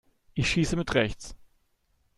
Ich schieße mit rechts.